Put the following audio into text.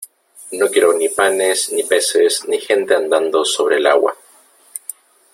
no quiero ni panes , ni peces , ni gente andando sobre el agua ,